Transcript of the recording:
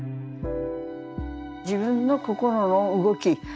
自分の心の動き